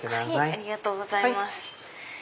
ありがとうございます。